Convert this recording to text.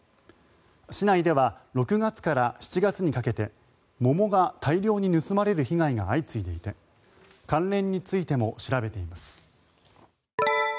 市内では６月から７月にかけて桃が大量に盗まれる被害が相次いでいて関連についても調べています。